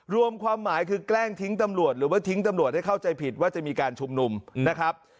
ความหมายคือแกล้งทิ้งตำรวจหรือว่าทิ้งตำรวจให้เข้าใจผิดว่าจะมีการชุมนุมนะครับ